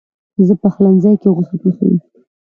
زه پخلنځي کې غوښه پخوم.